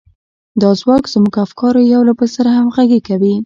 دا ځواک زموږ افکار يو له بل سره همغږي کوي.